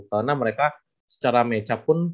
karena mereka secara mecah pun